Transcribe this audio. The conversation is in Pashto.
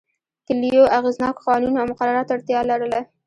کلیو اغېزناکو قوانینو او مقرراتو ته اړتیا لرله